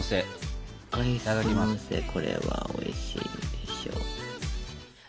これはおいしいでしょ！